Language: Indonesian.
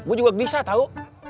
gua juga bisa tau